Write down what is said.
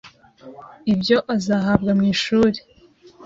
ibyo azahabwa mu ishuri